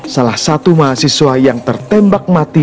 salah satu mahasiswa yang tertembak mati